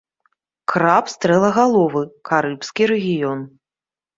Краб стрэлагаловы, карыбскі рэгіён.